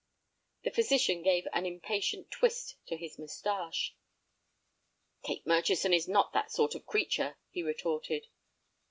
The physician gave an impatient twist to his mustache. "Kate Murchison is not that sort of creature," he retorted.